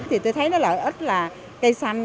thì tôi thấy nó lợi ích là cây xanh